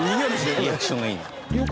リアクションがいいな。